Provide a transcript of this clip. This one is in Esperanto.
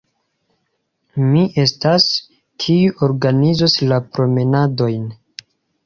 Mi estas, kiu organizos la promenadojn.